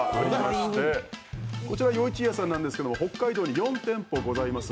こちら世壱屋さんなんですけど北海道に４店舗ございます。